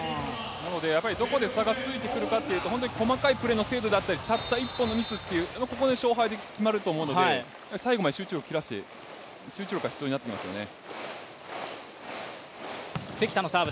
どこで差がついてくるかというと、細かいプレーの精度だったりたった１本のミスというここで勝敗が決まると思うので最後まで集中力が必要になってきますよね。